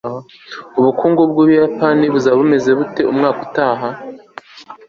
ubukungu bw'ubuyapani buzaba bumeze bute umwaka utaha